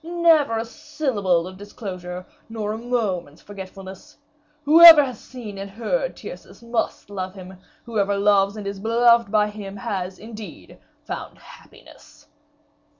Never a syllable of disclosure, never a moment's forgetfulness. Whoever has seen and heard Tyrcis must love him; whoever loves and is beloved by him, has indeed found happiness."